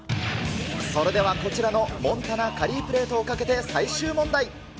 それではこちらのモンタナカリープレートをかけて、最終問題。